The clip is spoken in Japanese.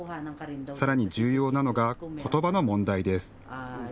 さらに重要なのがことばの問題です。